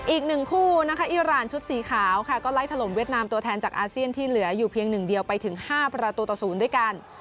อีกหนึ่งคู่นะคะอิราณชุดสีขาวค่ะก็ไล่ถล่มเวียดนามตัวแทนจากอาเซียนที่เหลืออยู่เพียงหนึ่งเดียวไปถึง๕ประตูต่อ๐ด้วยกัน